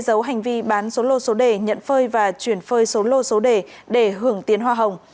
giấu hành vi bán số lô số đề nhận phơi và chuyển phơi số lô số đề để hưởng tiến hoa hồng